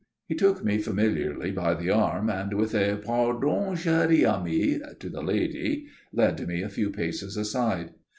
He took me familiarly by the arm, and, with a "Pardon, chère amie," to the lady, led me a few paces aside.